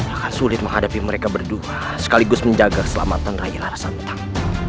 akan sulit menghadapi mereka berdua sekaligus menjaga keselamatan raya lasan utang